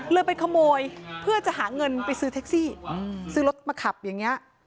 เลยไปขโมยเพื่อจะหาเงินไปซื้อแท็กซี่ซื้อรถมาขับอย่างนี้